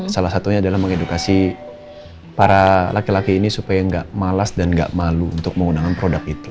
salah satunya adalah mengedukasi para laki laki ini supaya nggak malas dan gak malu untuk menggunakan produk itu